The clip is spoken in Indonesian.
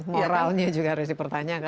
moralnya juga harus dipertanyakan